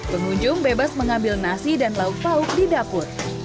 pengunjung bebas mengambil nasi dan lauk lauk di dapur